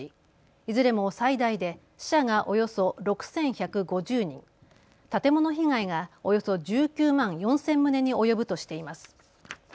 いずれも最大で死者がおよそ６１５０人、建物被害がおよそ１９万４０００棟に及ぶとしています。